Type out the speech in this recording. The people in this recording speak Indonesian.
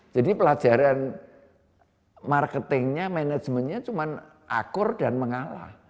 jadi pelajaran marketingnya manajemennya cuma akur dan mengalah